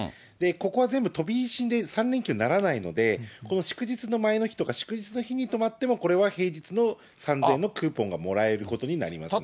ここは全部飛び石で、３連休にならないので、この祝日の前の日とか祝日の日に泊まっても、これは平日の３０００円のクーポンがもらえることになりますね。